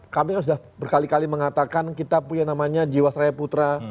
kami sudah berkali kali mengatakan kita punya namanya jiwa saya putra